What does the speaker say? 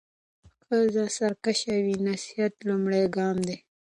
که ښځه سرکشه وي، نصيحت لومړی ګام دی.